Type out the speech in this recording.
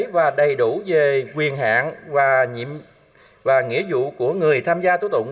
và đầy đủ về quyền hạn và nghĩa vụ của người tham gia tố tụng